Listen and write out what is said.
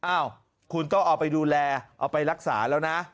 อ้าวคุณต้องเอาไปดูแลเอาไปรักษาแล้วนะ